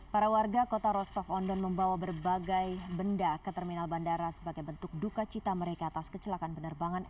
para warga kota rostov on don membawa berbagai benda ke terminal bandara sebagai bentuk duka cita mereka atas kecelakaan penerbangan